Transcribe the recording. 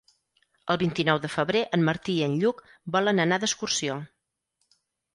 El vint-i-nou de febrer en Martí i en Lluc volen anar d'excursió.